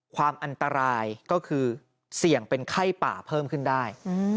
ความอันตรายก็คือเสี่ยงเป็นไข้ป่าเพิ่มขึ้นได้